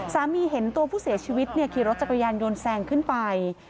เห็นตัวผู้เสียชีวิตขี่รถจักรยานยนต์แซงขึ้นไป